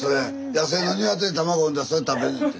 野生の鶏卵産んだらそれ食べるんやて。